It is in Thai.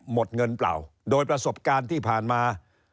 หมดเงินเปล่าโดยประสบการณ์ที่ผ่านมา